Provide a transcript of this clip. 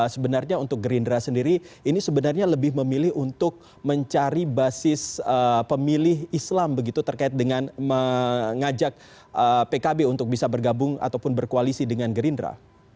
sebenarnya untuk gerindra sendiri ini sebenarnya lebih memilih untuk mencari basis pemilih islam begitu terkait dengan mengajak pkb untuk bisa bergabung ataupun berkoalisi dengan gerindra